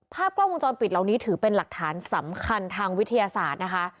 กล้องวงจรปิดเหล่านี้ถือเป็นหลักฐานสำคัญทางวิทยาศาสตร์นะคะ